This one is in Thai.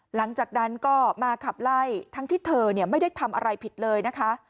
หลังจากนั้นก็มาขับไล่ทั้งที่เธอไม่ได้ทำอะไรผิดเลยนะคะ